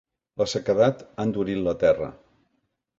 La sequedat ha endurit la terra.